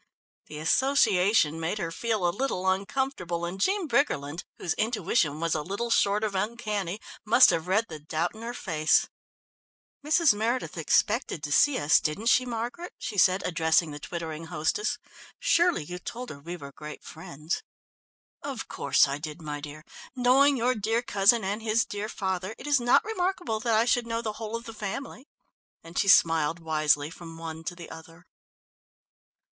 The association made her feel a little uncomfortable, and Jean Briggerland, whose intuition was a little short of uncanny, must have read the doubt in her face. "Mrs. Meredith expected to see us, didn't she, Margaret?" she said, addressing the twittering hostess. "Surely you told her we were great friends?" "Of course I did, my dear. Knowing your dear cousin and his dear father, it was not remarkable that I should know the whole of the family," and she smiled wisely from one to the other.